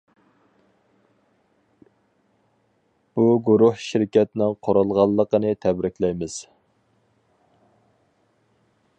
بۇ گۇرۇھ شىركەتنىڭ قۇرۇلغانلىقىنى تەبرىكلەيمىز!